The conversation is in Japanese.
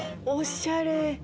おしゃれ。